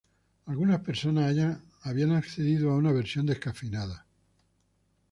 algunas personas hayan accedido a una versión descafeinada